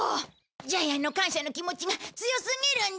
ジャイアンの感謝の気持ちが強すぎるんだ。